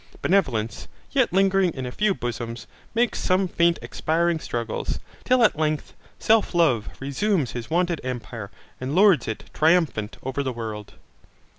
Benevolence, yet lingering in a few bosoms, makes some faint expiring struggles, till at length self love resumes his wonted empire and lords it triumphant over the world.